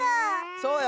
そうよ。